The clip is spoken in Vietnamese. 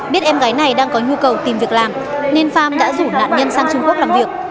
biết em gái này đang có nhu cầu tìm việc làm nên phong đã rủ nạn nhân sang trung quốc làm việc